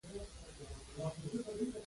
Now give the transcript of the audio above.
غږ د هنر روح دی